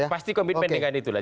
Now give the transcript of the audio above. pasti komitmen dengan itu lah